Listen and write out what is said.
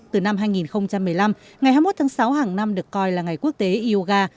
từ năm hai nghìn một mươi năm ngày hai mươi một tháng sáu hàng năm được coi là ngày quốc tế yoga